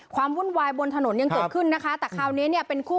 วุ่นวายบนถนนยังเกิดขึ้นนะคะแต่คราวนี้เนี่ยเป็นคู่